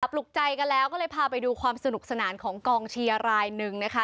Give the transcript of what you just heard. ปลุกใจกันแล้วก็เลยพาไปดูความสนุกสนานของกองเชียร์รายหนึ่งนะคะ